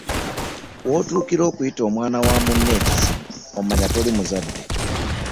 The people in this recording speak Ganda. W'otuukira okuyita omwana wa munno ekizibu omanya toli muzadde.